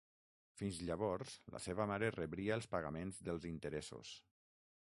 Fins llavors, la seva mare rebria els pagaments dels interessos.